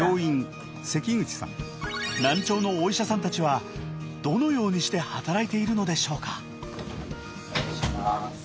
難聴のお医者さんたちはどのようにして働いているのでしょうか。